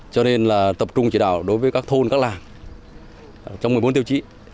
cho nên là tập trung chỉ đạo đối với các thôn các làng trong một mươi bốn tiêu chí